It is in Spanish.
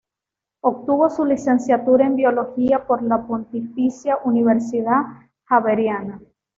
Obtuvo su licenciatura en biología por la Pontificia Universidad Javeriana.